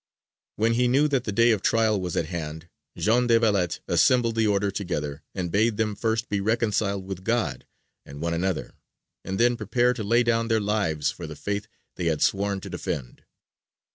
When he knew that the day of trial was at hand, Jean de la Valette assembled the Order together, and bade them first be reconciled with God and one another, and then prepare to lay down their lives for the Faith they had sworn to defend.